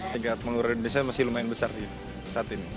negara pengurusan indonesia masih lumayan besar saat ini